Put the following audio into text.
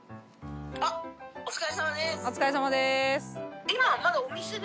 お疲れさまです。